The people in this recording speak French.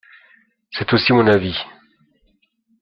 C’est aussi mon avis.